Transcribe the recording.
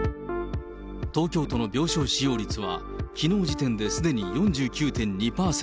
東京都の病床使用率はきのう時点ですでに４９．２％。